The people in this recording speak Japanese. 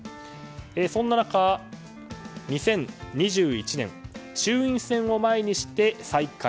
そんな中２０２１年衆院選を前にして再開。